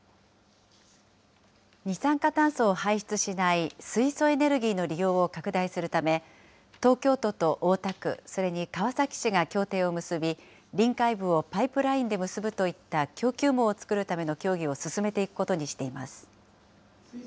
二酸化炭素を排出しない水素エネルギーの利用を拡大するため、東京都と大田区、それに川崎市が協定を結び、臨海部をパイプラインで結ぶといった供給網を作るための協議を進めていくことにしています。